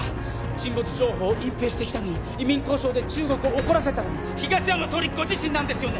沈没情報を隠蔽してきたのも移民交渉で中国を怒らせたのも東山総理ご自身なんですよね！？